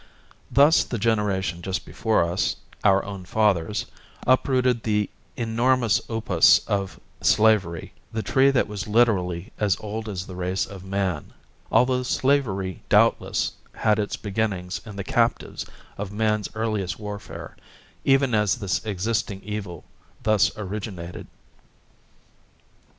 Thus the generation just before us, our own fathers, uprooted the enormous upas of slavery, "the tree that was literally as old as the race of man," although slavery doubtless had its beginnings in the captives of man's earliest warfare, even as this existing evil thus originated.